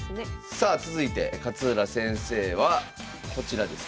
さあ続いて勝浦先生はこちらです。